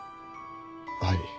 はい。